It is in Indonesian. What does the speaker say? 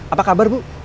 apa kabar bu